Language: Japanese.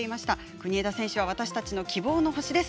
国枝選手は私たちの希望の星です。